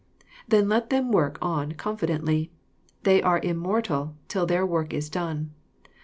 Then let them work on confi dently. They are immortal, till their work is done.